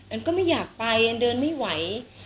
ก็ไม่อยากไปอันเดินไม่ไหว